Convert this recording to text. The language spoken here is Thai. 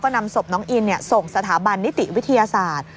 นำศพน้องอินส่งสถาบันนิติวิทยาศาสตร์